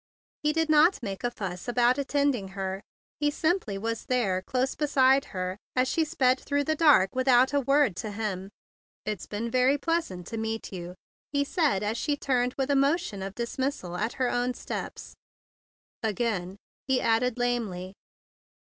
He did not make a fuss about attend¬ ing her. He simply was there close be¬ side her as she sped through the dark without a word to him. "It's been very pleasant to meet you," he said as she turned with a motion of dismissal at her own steps, "again," he s 66 THE BIG BLUE SOLDIER added lamely.